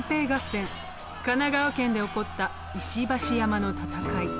神奈川県で起こった石橋山の戦い。